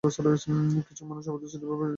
কিছু মানুষ অপ্রত্যাশিতভাবে আমাদের জীবনে এসে পড়ে।